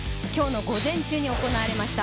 午前中に行われました。